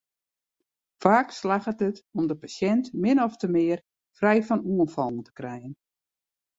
Faak slagget it om de pasjint min ofte mear frij fan oanfallen te krijen.